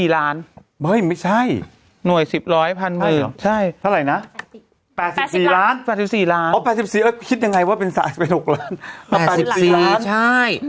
๔ล้านเบอร์ไม่ใช่หน่วย๑๐ร้อยพันหมื่นใช่เท่าไหร่นะ๘๐ล้าน๓๔ล้านอ้อ๘๔คิดยังไงว่าเป็นสายสาย๖ล้าน๘๔ล้านใช่